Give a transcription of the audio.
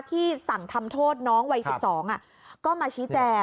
ที่สั่งทำโทษน้องวัย๑๒ก็มาชี้แจง